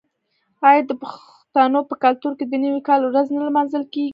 آیا د پښتنو په کلتور کې د نوي کال ورځ نه لمانځل کیږي؟